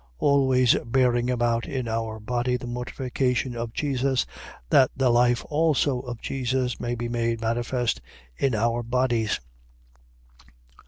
4:10. Always bearing about in our body the mortification of Jesus, that the life also of Jesus may be made manifest in our bodies.